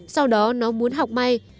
sau đó nó muốn học may